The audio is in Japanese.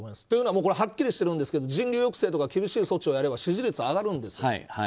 というのもはっきりしてるんですけど人流抑制とか厳しい措置をやれば支持率は上がるんですよ。